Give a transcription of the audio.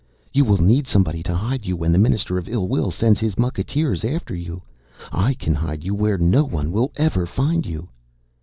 You will need somebody to hide you when the Minister of Ill Will sends his mucketeers after you. I can hide you where no one will ever find you."